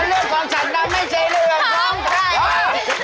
เรื่องของฉันนะไม่ใช่เรื่องของใคร